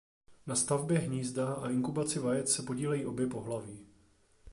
Na stavbě hnízda a inkubaci vajec se podílejí obě pohlaví.